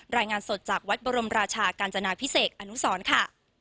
รายงานสดจากวัดบรมราชากาญจนาพิเศษอนุสรค่ะ